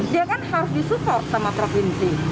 dia kan harus disupport sama provinsi